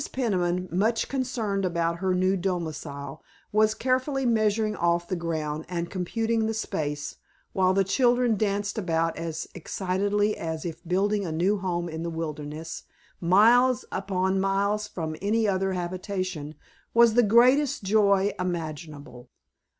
Peniman, much concerned about her new domicile, was carefully measuring off the ground and computing the space, while the children danced about as excitedly as if building a new home in the wilderness, miles upon miles from any other habitation, was the greatest joy imaginable.